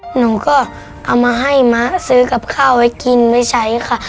หนูก็เอามาให้ม้าซื้อกับข้าวไว้กินไว้ใช้ค่ะ